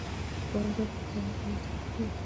افغانستان کې د ښارونو په اړه زده کړه کېږي.